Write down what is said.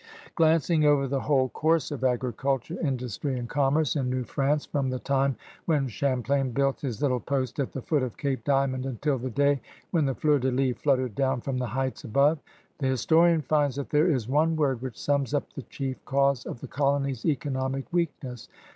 " Glancing over the whole course of agriculture, industry, and commerce in New France from the time when Champlain built his little post at the foot of Cape Diamond until the day when the fleiu' de lis fluttered down from the heights above, the historian finds that there is one word which sums up the chief cause of the colony's economic weakness.